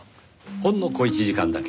ほんの小一時間だけ。